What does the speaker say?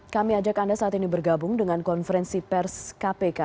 kami ajak anda saat ini bergabung dengan konferensi pers kpk